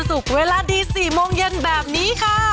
สวัสดีค่ะ